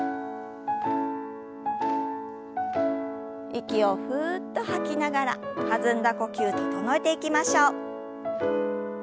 息をふっと吐きながら弾んだ呼吸整えていきましょう。